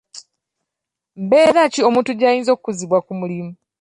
Mbeera ki omuntu gy'ayinza okukuzibwa ku mulimu?